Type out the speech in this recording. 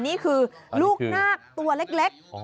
นี่คือลูกนาคตัวเล็ก